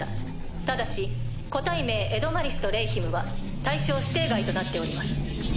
ただし個体名エドマリスとレイヒムは対象指定外となっております。